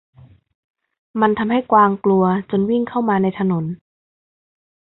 มันทำให้กวางกลัวจนวิ่งเข้ามาในถนน